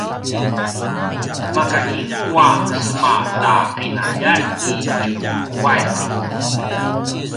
maka inu a sema ta qinaljan i Tjuruquay?